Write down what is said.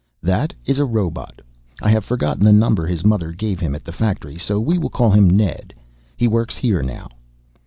"That is a robot. I have forgotten the number his mother gave him at the factory so we will call him Ned. He works here now."